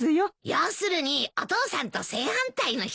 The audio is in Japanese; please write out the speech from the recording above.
要するにお父さんと正反対の人だ。